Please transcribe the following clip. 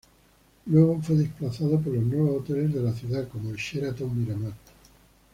Luego fue desplazado por los nuevos hoteles de la ciudad como el Sheraton Miramar.